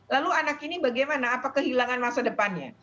lalu anak ini bagaimana apa kehilangan masa depannya